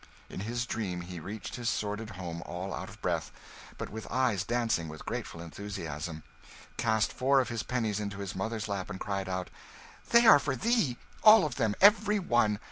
In his dream he reached his sordid home all out of breath, but with eyes dancing with grateful enthusiasm; cast four of his pennies into his mother's lap and cried out "They are for thee! all of them, every one!